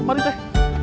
eh mari teh